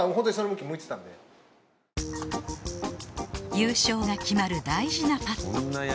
優勝が決まる大事なパット